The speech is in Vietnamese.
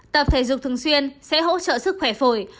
tập thể dục thường xuyên sẽ hỗ trợ sức khỏe phổi